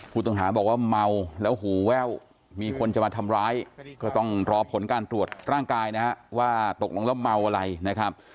ผู้ต้องหาบอกว่าเมาแล้วหูแว่วมีคนจะมาทำร้ายก็ต้องรอผลการตรวจร่างกายนะฮะว่าตกลงแล้วเมาอะไรนะครับ